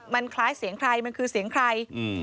มันคล้ายเสียงใครมันคือเสียงใคร